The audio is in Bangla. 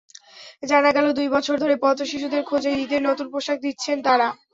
জানা গেল, দুই বছর ধরে পথশিশুদের খোঁজে ঈদের নতুন পোশাক দিচ্ছেন তাঁরা।